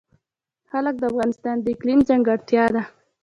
جلګه د افغانستان د اقلیم ځانګړتیا ده.